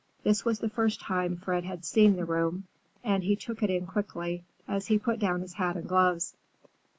This was the first time Fred had seen the room, and he took it in quickly, as he put down his hat and gloves.